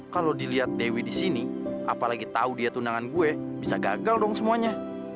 kalau dilihat dewi di sini apalagi tahu dia tundangan gue bisa gagal dong semuanya